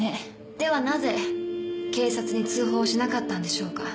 ではなぜ警察に通報をしなかったんでしょうか？